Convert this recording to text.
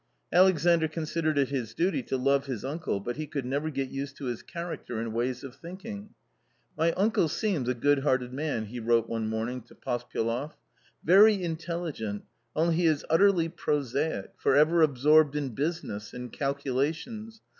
Alexandr considered it his duty to love his uncle, but he could never get used to his character and ways of think ing. " My uncle seems a good hearted man," he wrote one I morning to Pospyeloff, "very intelligent, only he is utterly \ prosaic, for ever absorbed in business, in calculations.